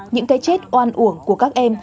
những cái chết oan uổng của các em